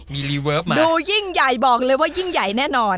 มีรีเวิร์ฟมาดูยิ่งใหญ่บอกเลยว่ายิ่งใหญ่แน่นอน